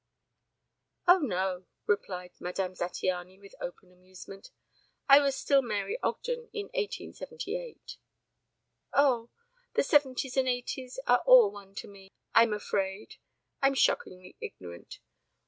"Oh, no," replied Madame Zattiany, with open amusement. "I was still Mary Ogden in eighteen seventy eight." "Oh! The seventies and eighties are all one to me, I'm afraid. I'm shockingly ignorant.